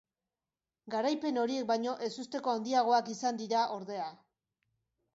Garaipen horiek baino ezusteko handiagoak izan dira, ordea.